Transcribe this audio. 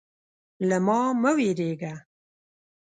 _له ما مه وېرېږه.